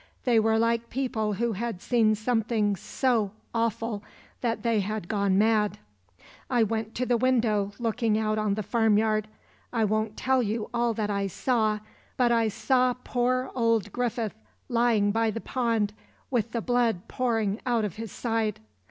They were like people who had seen something so awful that they had gone mad. "I went to the window looking out on the farmyard. I won't tell you all that I saw. But I saw poor old Griffith lying by the pond, with the blood pouring out of his side.